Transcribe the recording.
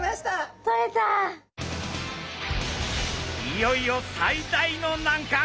いよいよ最大の難関。